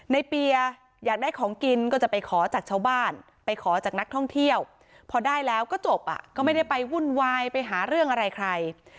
เปียอยากได้ของกินก็จะไปขอจากชาวบ้านไปขอจากนักท่องเที่ยวพอได้แล้วก็จบอ่ะก็ไม่ได้ไปวุ่นวายไปหาเรื่องอะไรใคร